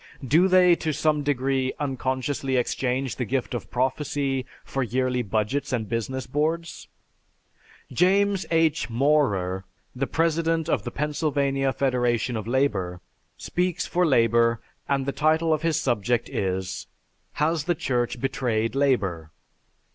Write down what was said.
Do they to some degree unconsciously exchange the gift of prophecy for yearly budgets and business boards?" James H. Maurer, the president of the Pennsylvania Federation of Labor, speaks for labor and the title of his subject is, "Has the Church Betrayed Labor?"